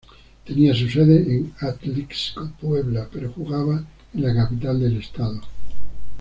Tenía su sede en Atlixco, Puebla, pero jugaba en la capital del estado.